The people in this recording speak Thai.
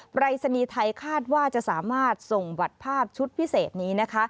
ปรายศนีย์ไทยคาดว่าจะสามารถส่งบัตรภาพชุดพิเศษนี้นะคะ